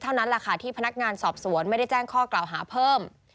เท่านั้นแหละค่ะที่พนักงานสอบสวนไม่ได้แจ้งข้อกล่าวหาเพิ่ม